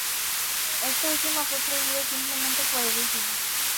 Este último fue prohibido, simplemente por el título.